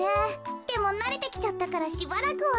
でもなれてきちゃったからしばらくは。